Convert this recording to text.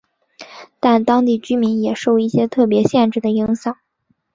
但当地居民也受一些特别限制的影响。